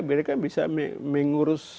mereka bisa mengurus